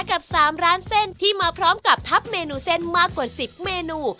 กับ๓ร้านเส้นที่มาพร้อมกับทับเมนูเส้นมากกว่า๑๐เมนู